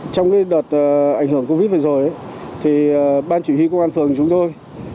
trong đợt ảnh hưởng covid vừa rồi ban chủ yếu công an phường chúng tôi